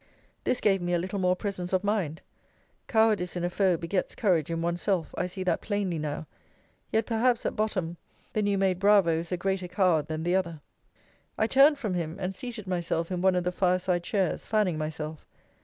This gave me a little more presence of mind. Cowardice in a foe begets courage in one's self I see that plainly now yet perhaps, at bottom, the new made bravo is a greater coward than the other. I turned from him, and seated myself in one of the fireside chairs, fanning myself.